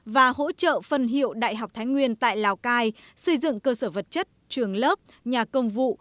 và hỗ trợ phân hiệu đại học thái nguyên tại lào cai xây dựng cơ sở vật chất trường lớp nhà công vụ